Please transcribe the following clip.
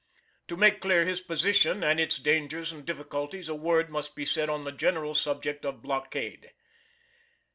To make clear his position and its dangers and difficulties a word must be said on the general subject of blockade.